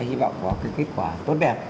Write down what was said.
hy vọng có cái kết quả tốt đẹp